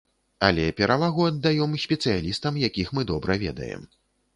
Але перавагу аддаём спецыялістам, якіх мы добра ведаем.